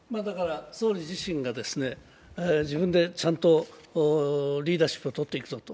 総理自身が自分でちゃんとリーダーシップをとっていくぞと。